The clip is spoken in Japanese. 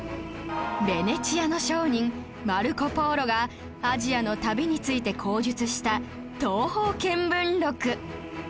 ベネチアの商人マルコ・ポーロがアジアの旅について口述した『東方見聞録』